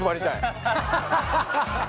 ハハハハ！